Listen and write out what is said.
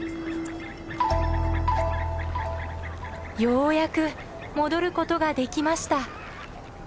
ようやく戻ることができました。